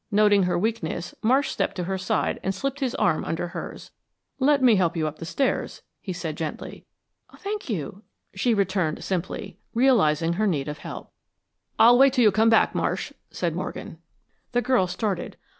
Noting her weakness, Marsh stepped to her side and slipped his arm under hers. "Let me help you up the stairs," he said, gently. "Thank you," she returned, simply, realizing her need of help. "I'll wait until you come back, Marsh," said Morgan. The girl started.